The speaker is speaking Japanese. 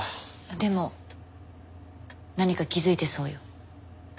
でも何か気づいてそうよ。